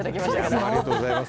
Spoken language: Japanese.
ありがとうございます。